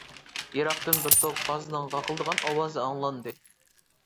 يىراقتىن بىر توپ غازنىڭ غاقىلدىغان ئاۋازى ئاڭلاندى.